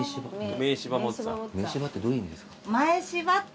「めえしば」ってどういう意味ですか？